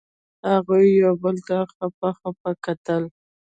هغوی یو بل ته خپه خپه کتل.